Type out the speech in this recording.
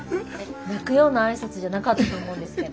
泣くような挨拶じゃなかったと思うんですけど。